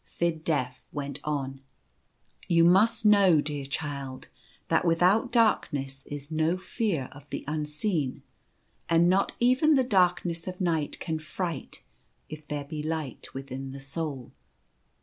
Fid Def went on : <c You must know, dear Child, that without darkness is no fear of the unseen ; and not even the darkness of night can fright if there be light within the soul.